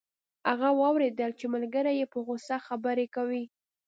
هغه واوریدل چې ملګری یې په غوسه خبرې کوي